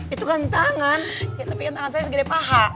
itu kan tangan tapi kan tangan saya segede paha